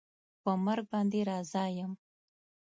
په مرګ باندې رضا یم